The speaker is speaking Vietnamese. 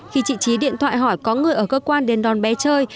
khi chị trí điện thoại hỏi có người ở cơ quan đến đón bé chơi